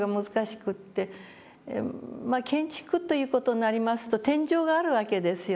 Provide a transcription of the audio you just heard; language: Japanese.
まあ建築という事になりますと天井があるわけですよね。